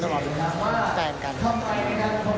ทุกอย่างต้องการเป็นแฟนกัน